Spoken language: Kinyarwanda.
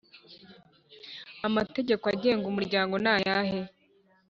Amategeko agenga Umuryango nayahe